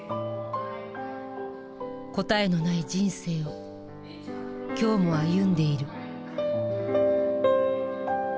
答えのない人生を今日も歩んでいる。